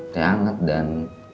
teh hangat dan